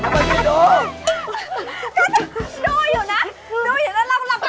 มาเข้ามาดู